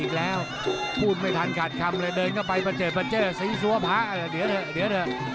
อีกแล้วพูดไม่ทันขาดคำเลยเดินเข้าไปประเจิดประเจอสีซัวพระเดี๋ยวเถอะเดี๋ยวเถอะ